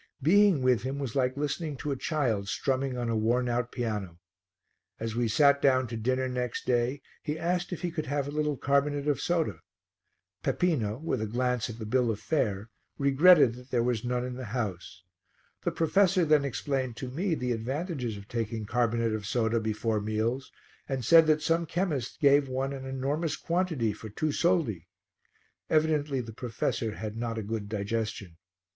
Being with him was like listening to a child strumming on a worn out piano. As we sat down to dinner next day he asked if he could have a little carbonate of soda. Peppino, with a glance at the bill of fare, regretted that there was none in the house. The professor then explained to me the advantages of taking carbonate of soda before meals and said that some chemists gave one an enormous quantity for two soldi. Evidently the professor had not a good digestion.